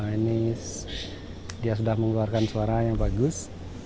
ini dia sudah mengeluarkan suara yang bagus